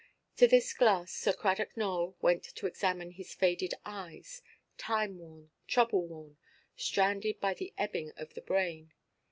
To this glass Sir Cradock Nowell went to examine his faded eyes, time–worn, trouble–worn, stranded by the ebbing of the brain.